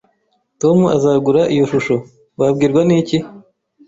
"Tom azagura iyo shusho." "Wabwirwa n'iki?"